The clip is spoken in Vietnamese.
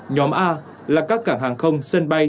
nhóm a là các cảng hàng không sân bay